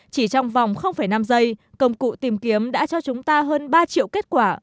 chỉ trong vòng năm giây công cụ tìm kiếm đã cho chúng ta hơn ba triệu kết quả